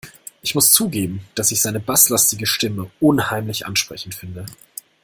Ich muss zugeben, dass ich seine basslastige Stimme unheimlich ansprechend finde.